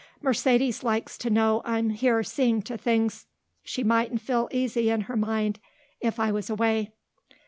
"Mercedes likes to know I'm here seeing to things. She mightn't feel easy in her mind if I was away."